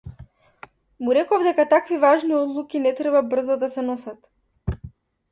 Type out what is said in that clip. Му реков дека такви важни одлуки не треба брзо да се носат.